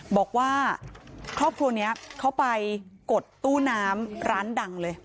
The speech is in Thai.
บอกว่าครอบครัวนี้เขาไปกดตู้น้ำร้านดังเลย